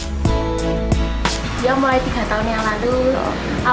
dia mulai tiga tahun yang lalu